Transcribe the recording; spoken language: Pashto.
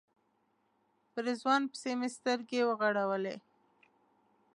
په رضوان پسې مې سترګې وغړولې.